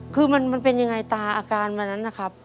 คือมันเป็นยังไงตาอาการวันนั้นนะครับ